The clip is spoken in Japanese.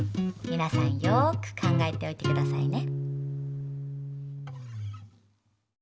みなさんよく考えておいてくださいね。